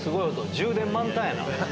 充電満タンやな。